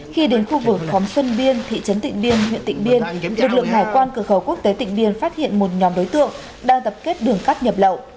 khi đến khu vực khóm xuân biên thị trấn tịnh biên huyện tịnh biên lực lượng hải quan cửa khẩu quốc tế tịnh biên phát hiện một nhóm đối tượng đang tập kết đường cát nhập lậu